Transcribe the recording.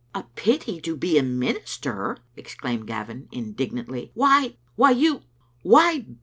" "A pity to be a minister!" exclaimed Gavin, indig nantly. " Why, why, you — why.